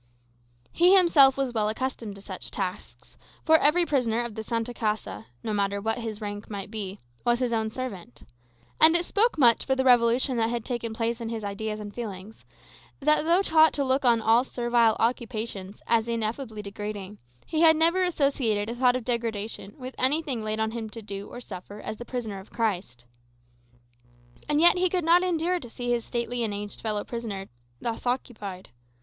He himself was well accustomed to such tasks; for every prisoner of the Santa Casa, no matter what his rank might be, was his own servant. And it spoke much for the revolution that had taken place in his ideas and feelings, that though taught to look on all servile occupations as ineffably degrading, he had never associated a thought of degradation with anything laid upon him to do or to suffer as the prisoner of Christ. And yet he could not endure to see his aged and stately fellow prisoner thus occupied.